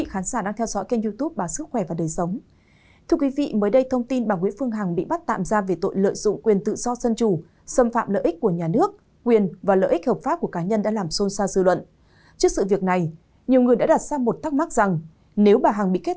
hãy đăng ký kênh để ủng hộ kênh của chúng mình nhé